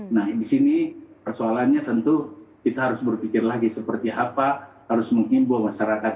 nah disini persoalannya tentu kita harus berpikir lagi seperti apa harus mengimbau masyarakat